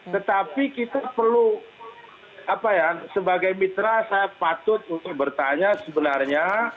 tetapi kita perlu apa ya sebagai mitra saya patut untuk bertanya sebenarnya